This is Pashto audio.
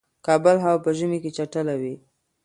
کابل هوا په ژمی کی چټله وی